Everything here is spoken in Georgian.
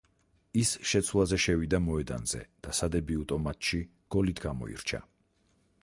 ის შეცვლაზე შევიდა მოედანზე და სადებიუტო მატჩში გოლით გამოირჩა.